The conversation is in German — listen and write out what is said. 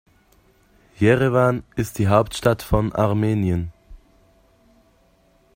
Jerewan ist die Hauptstadt von Armenien.